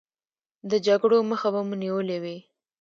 د جګړو مخه به مو نیولې وي.